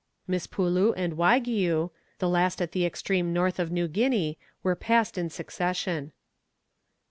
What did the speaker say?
Mispulu and Waigiou, the last at the extreme north of New Guinea, were passed in succession.